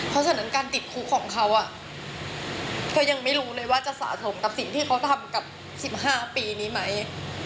เพราะฉะนั้นการติดคุกของเขาเธอยังไม่รู้เลยว่าจะสะสมกับสิ่งที่เขาทำกับ๑๕ปีนี้ไหม